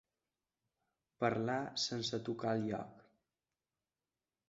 Parlar sense tocar al lloc.